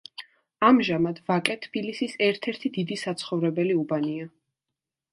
ამჟამად ვაკე თბილისის ერთ-ერთი დიდი საცხოვრებელი უბანია.